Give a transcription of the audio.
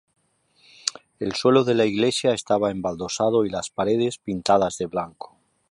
El suelo de la iglesia estaba embaldosado y las paredes pintadas de blanco.